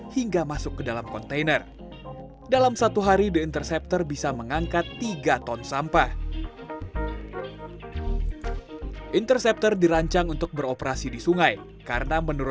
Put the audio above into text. hingga masuk ke dalam kontainer